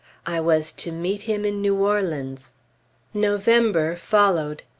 I was to meet him in New Orleans. November followed, after a period.